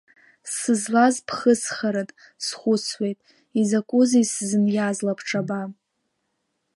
Сызлаз ԥхыӡхарын, схәыцуеит, изакәызеи сзыниаз лабҿаба?